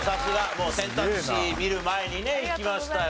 もう選択肢見る前にねいきましたよ。